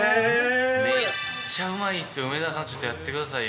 めっちゃうまいんですよ、梅澤さん、ちょっとやってくださいよ。